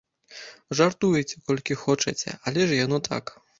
Жартуйце колькі хочаце, але ж яно так.